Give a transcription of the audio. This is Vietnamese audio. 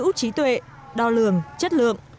sở hữu trí tuệ đo lường chất lượng